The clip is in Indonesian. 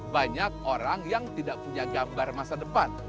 banyak orang yang tidak punya gambar masa depan